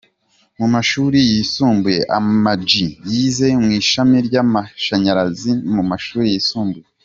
Mu mashuri yisumbuye Ama G yize mu ishami ry’amashanyarazi mu mashuri yisumbuye.